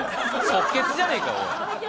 即決じゃねえかおい！